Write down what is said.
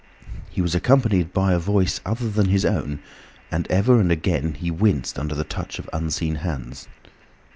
He was accompanied by a voice other than his own, and ever and again he winced under the touch of unseen hands.